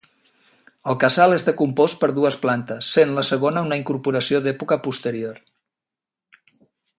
El casal està compost per dues plantes, sent la segona una incorporació d'època posterior.